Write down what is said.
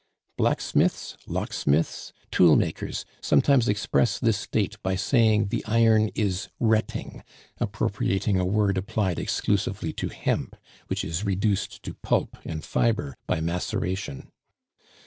Blacksmiths, locksmiths, tool makers sometimes express this state by saying the iron is retting, appropriating a word applied exclusively to hemp, which is reduced to pulp and fibre by maceration.